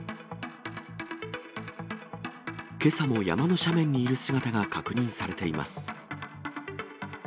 けさも山の斜面にいる姿が確認されています。